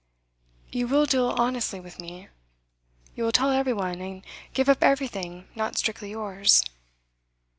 'You will deal honestly with me? You will tell every one, and give up everything not strictly yours?